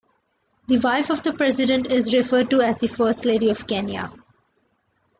The wife of the President is referred to as the First Lady of Kenya.